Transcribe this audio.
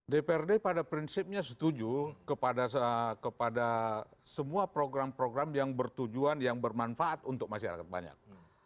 dprd pada prinsipnya setuju kepada semua program program yang bertujuan yang bermanfaat untuk masyarakat banyak